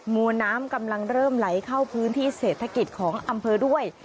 มวลน้ำกำลังเริ่มไหลเข้าพื้นที่เศรษฐกิจของอำเภอด้วย